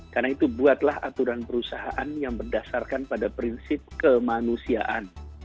karena itu buatlah aturan perusahaan yang berdasarkan pada prinsip kemanusiaan